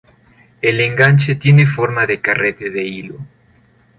El enganche tiene forma de carrete de hilo.